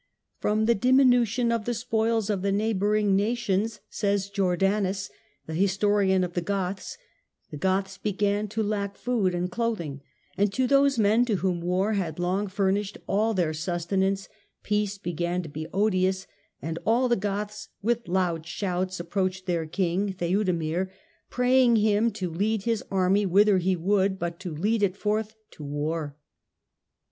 " From the diminution of the spoils of the neighbouring nations," says Jordanes, the historian of the Goths, " the Goths began to lack food and cloth ing, and to those men to whom war had long furnished all their sustenance peace began to be odious, and all the Goths with loud shouts approached their king, Theudemir, praying him to lead his army whither he would, but to lead it forth to war."